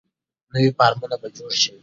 نوي فارمونه به جوړ شي.